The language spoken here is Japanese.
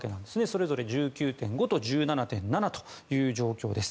それぞれ１９．５と１７．７という状況です。